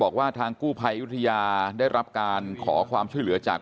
บอกว่าทางกู้ภัยอยุธยาได้รับการขอความช่วยเหลือจาก